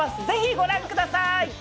ぜひご覧ください。